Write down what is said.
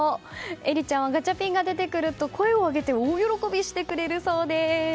衣莉ちゃんはガチャピンが出てくると声を上げて大喜びしてくれるそうです。